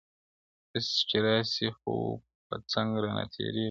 • اوس چي راسي خو په څنګ را نه تېرېږي..